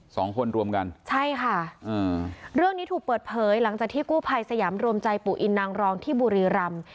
สองคนรวมกันใช่ค่ะอืมเรื่องนี้ถูกเปิดเผยหลังจากที่กู้ภัยสยามรวมใจปู่อินนางรองที่บุรีรำ